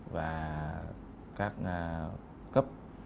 và các cấp